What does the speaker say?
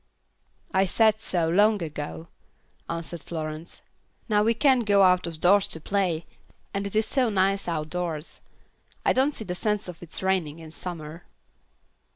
"I said so, long ago," answered Florence; "now we can't go out of doors to play, and it is so nice outdoors. I don't see the sense of its raining in summer."